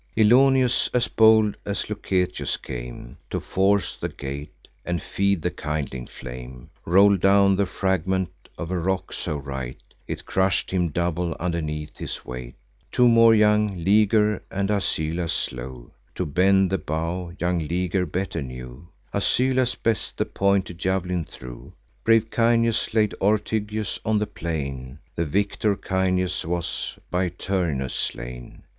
Ilioneus, as bold Lucetius came To force the gate, and feed the kindling flame, Roll'd down the fragment of a rock so right, It crush'd him double underneath the weight. Two more young Liger and Asylas slew: To bend the bow young Liger better knew; Asylas best the pointed jav'lin threw. Brave Caeneus laid Ortygius on the plain; The victor Caeneus was by Turnus slain.